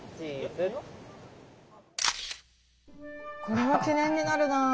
これは記念になるなあ。